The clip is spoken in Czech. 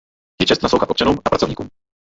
Je čest naslouchat občanům a pracovníkům.